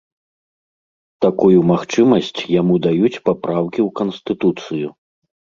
Такую магчымасць яму даюць папраўкі ў канстытуцыю.